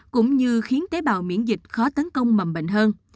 cũng như khiến tế bào miễn dịch khó tấn công mầm bệnh hơn